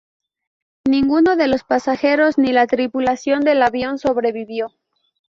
Ninguno de los pasajeros ni la tripulación del avión sobrevivió.